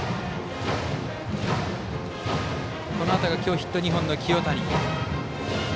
このあとは今日ヒット２本の清谷。